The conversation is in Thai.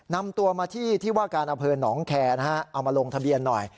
นำตัวมาที่ที่ว่าการอำเภอหนองแคร์นะฮะเอามาลงทะเบียนหน่อย